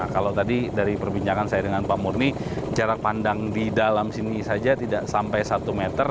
kalau tadi dari perbincangan saya dengan pak murni jarak pandang di dalam sini saja tidak sampai satu meter